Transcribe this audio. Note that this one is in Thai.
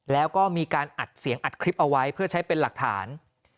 แล้วก็มีการอัดเสียงอัดคลิปเอาไว้เพื่อใช้เป็นหลักฐาน